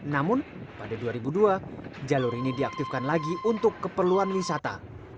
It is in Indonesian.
namun pada dua ribu dua jalur ini diaktifkan lagi untuk keperluan wisata